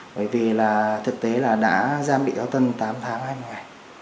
bởi vì là thực tế là đã giam bị cáo tân tám tháng hai